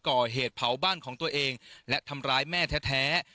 ก่อเหตุเผาบ้านของตัวเองและทำร้ายแม่แท้